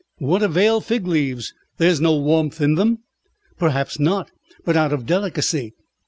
"What avail fig leaves? There is no warmth in them." "Perhaps not but out of delicacy."